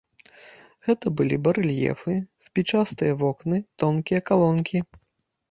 Гэта былі барэльефы, спічастыя вокны, тонкія калонкі.